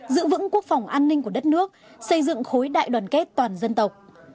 giữ vững quốc phòng an ninh của đất nước xây dựng khối đại đoàn kết toàn dân tộc